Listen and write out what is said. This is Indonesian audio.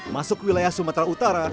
masuk wilayah sumatera utara